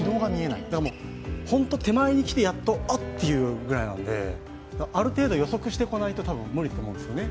だから、本当、手前にきてやっとあっ、っていうぐらいなのである程度予測していかないと多分無理だと思うんですね。